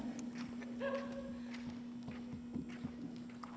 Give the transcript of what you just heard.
สวัสดีครับทุกคน